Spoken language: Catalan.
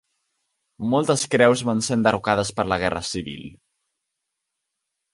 Moltes creus van ser enderrocades per la Guerra Civil.